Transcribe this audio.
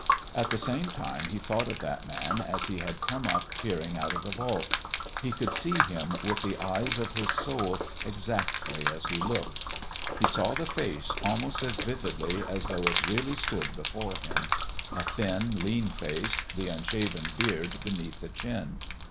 At the same time he thought of that man as he had come up peering out of the vault; he could see him with the eyes of his soul exactly as he looked. He saw the face almost as vividly as though it really stood before him a thin, lean face, the unshaven beard beneath the chin.